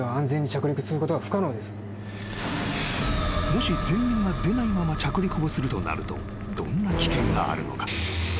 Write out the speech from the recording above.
［もし前輪が出ないまま着陸をするとなるとどんな危険があるのか？］